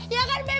ya kan bebe